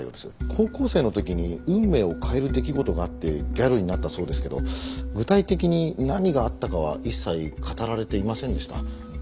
高校生の時に運命を変える出来事があってギャルになったそうですけど具体的に何があったかは一切語られていませんでした。